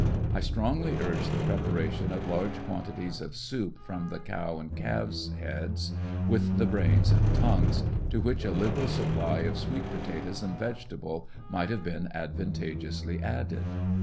I strongly urged the preparation of large quantities of soup from the cow and calves' bear's, with the brains and tongues, to which a liberal supply of sweet potatoes and vegetables might have been advantageously added.